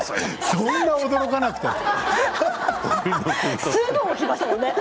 そんなに驚かなくても。